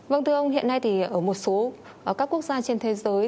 vâng thưa ông hiện nay thì ở một số các quốc gia trên thế giới